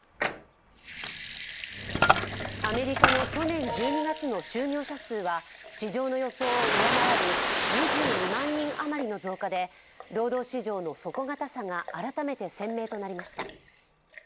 アメリカの去年１２月の就業者数は市場の予想を上回る２２万人余りの増加で労働市場の底堅さが改めて鮮明となりました。